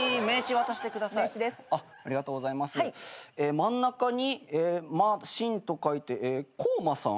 「真ん中」に「しん」と書いてコウマさん？